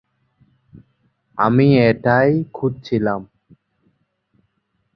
আমি এইটাই খুজছিলাম।